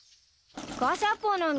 ガシャポの実？